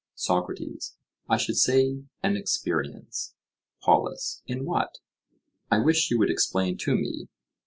SOCRATES: I should say an experience. POLUS: In what? I wish that you would explain to me.